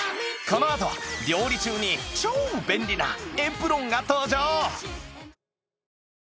このあと料理中に超便利なエプロンが登場！